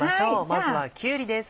まずはきゅうりです。